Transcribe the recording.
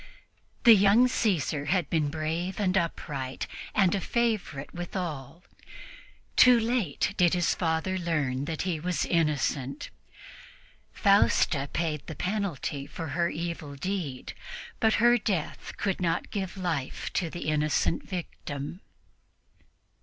The young Caesar had been brave and upright and a favorite with all. Too late did his father learn that he was innocent. Fausta paid the penalty for her evil deed, but her death could not give life to the innocent victim.